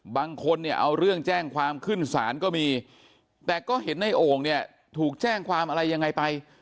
บางคนเนี่ยเอาเรื่องแจ้งความขึ้นศาลก็มีแต่ก็เห็นในโอ่งเนี่ยถูกแจ้งความอะไรยังไงไป